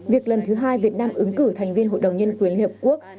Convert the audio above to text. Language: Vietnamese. việc lần thứ hai việt nam ứng cử thành viên hội đồng nhân quyền liên hợp quốc